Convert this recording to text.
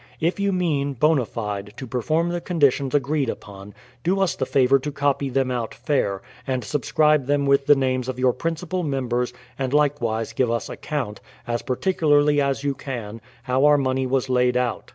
... If you mean, bona fide, to perform the conditions agreed Upon, do us the favour to copy them put fair, and subscribe thera THE PLYIVIOUTH SETTLEMENT 91 with the names of your principal members and likewise give us account, as particularly as you can, how our money was laid out.